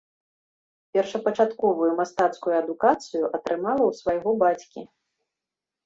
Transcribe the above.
Першапачатковую мастацкую адукацыю атрымала ў свайго бацькі.